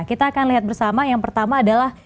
kita akan lihat bersama yang pertama adalah